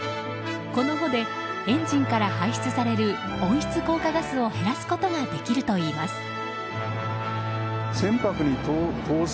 この帆でエンジンから排出される温室効果ガスを減らすことができるといいます。